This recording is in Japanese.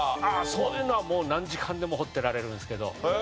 そういうのは何時間でも彫っていられるんですけど。